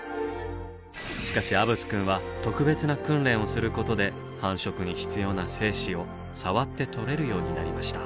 しかしアブスくんは特別な訓練をすることで繁殖に必要な精子を触って採れるようになりました。